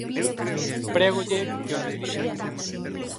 Prégolle que o retire.